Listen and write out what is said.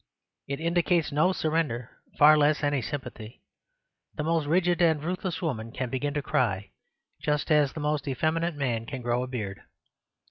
It indicates no surrender, far less any sympathy. The most rigid and ruthless woman can begin to cry, just as the most effeminate man can grow a beard.